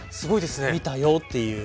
見たよっていう。